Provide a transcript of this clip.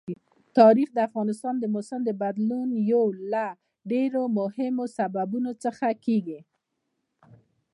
تاریخ د افغانستان د موسم د بدلون یو له ډېرو مهمو سببونو څخه کېږي.